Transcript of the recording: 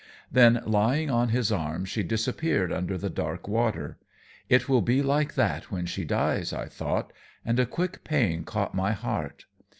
Then, lying in his arm, she disappeared under the dark water. "It will be like that when she dies," I thought, and a quick pain caught my heart.